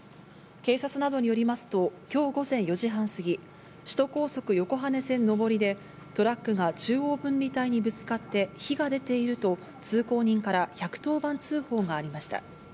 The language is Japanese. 警察などによりますと今日午前４時半すぎ、首都高速・横羽線上りでトラックが中央分離帯にぶつかって、火が出ていると通行人から１１０番通報がありました。